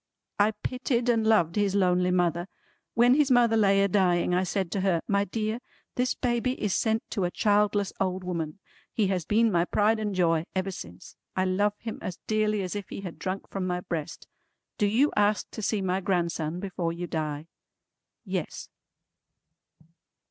"I pitied and loved his lonely mother. When his mother lay a dying I said to her, 'My dear, this baby is sent to a childless old woman.' He has been my pride and joy ever since. I love him as dearly as if he had drunk from my breast. Do you ask to see my grandson before you die?" Yes.